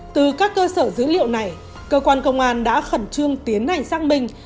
từ các cơ sở dữ liệu này cơ quan công an đã khẩn trương tiến hành xác minh